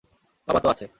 বাবা তো আছে?